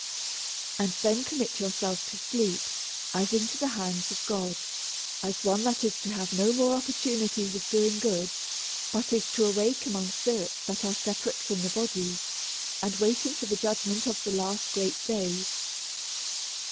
And then commit yourself to sleep, as into the hands of God ; as one that is to have no more opportunities of doing good ; but is to awake amongst spirits that are separate from the body, and waiting for the judgment of the last great day.